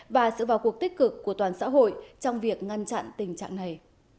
và sự vào cuộc tích cực của toàn xã hội trong việc ngăn chặn tình trạng này